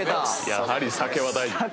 やはり酒は大事。